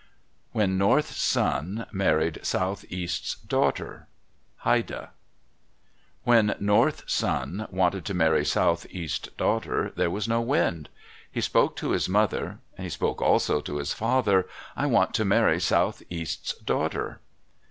WHEN NORTH'S SON MARRIED SOUTHEAST'S DAUGHTER Haida When North's son wanted to marry Southeast's daughter, there was no wind. He spoke to his mother. He spoke also to his father: "I want to marry Southeast's daughter."